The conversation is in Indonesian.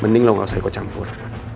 mending lo gak usah ikut campur